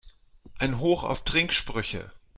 Ein Hoch auf Trinksprüche!